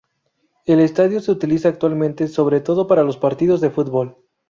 El estadio se utiliza actualmente sobre todo para los partidos de fútbol.